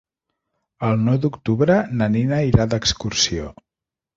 El nou d'octubre na Nina irà d'excursió.